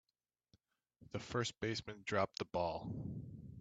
The first baseman dropped the ball.